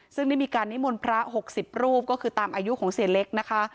ซึ่งได้มีการนิมนต์พระ๖๐รูปก็คือตามอายุของเสียเล็กนะคะ